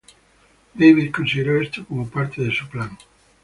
David consideró esto como parte de su plan.